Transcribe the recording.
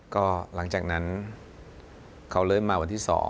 ก็หลังจากนั้นเขาเริ่มมาวันที่๒